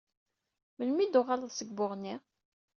Melmi i d-tuɣaleḍ seg Buɣni?